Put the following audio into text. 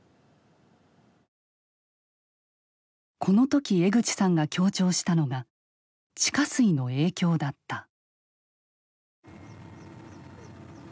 この時江口さんが強調したのが地下水の影響だった。